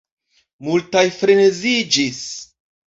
Multaj freneziĝis.